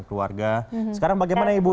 keluarga sekarang bagaimana ibu